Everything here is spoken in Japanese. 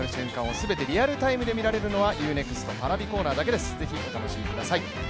決勝が見られるのはＵ−ＮＥＸＴＰａｒａｖｉコーナーだけです、ぜひお楽しみください。